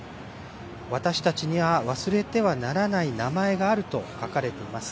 私たちには忘れてはならない名前があると書かれています。